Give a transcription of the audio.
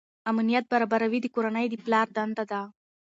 امنیت برابروي د کورنۍ د پلار دنده ده.